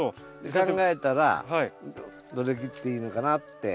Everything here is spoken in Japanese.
考えたらどれ切っていいのかなって。